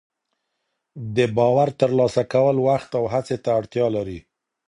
د باور ترلاسه کول وخت او هڅې ته اړتیا لري.